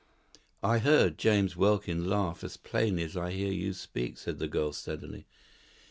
"I heard James Welkin laugh as plainly as I hear you speak," said the girl, steadily.